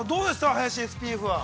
林ＳＰＦは。